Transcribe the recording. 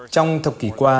trong thập kỷ qua